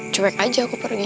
coek aja aku pergi